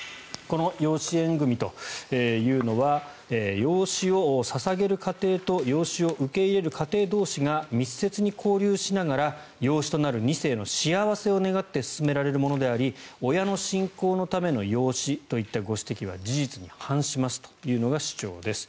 養子縁組というのは養子を捧げる家庭と養子を受け入れる家庭同士が密接に交流しながら養子となる２世の幸せを願って進められるものであり親の信仰のための養子といったご指摘は事実に反しますというのが主張です。